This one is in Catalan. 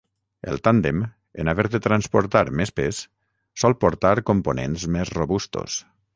El tàndem, en haver de transportar més pes, sol portar components més robustos.